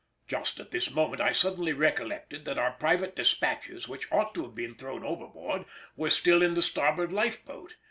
Just at this moment I suddenly recollected that our private despatches, which ought to have been thrown overboard, were still in the starboard life boat.